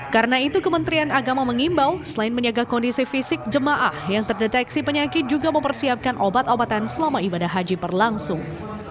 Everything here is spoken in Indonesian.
karena itu kementerian agama mengimbau selain meniaga kondisi fisik jamaah yang terdeteksi penyakit juga mempersiapkan obat obatan selama ibadah haji perlangsung